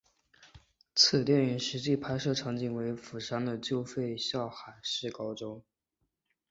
此电影实际拍摄场景为釜山的旧废校海事高中。